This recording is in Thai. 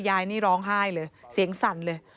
ยายนี่ร้องไห้เลยเสียงสั่นเลย